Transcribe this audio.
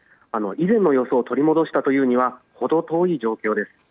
以前の様子を取り戻したというのには程遠い状況です。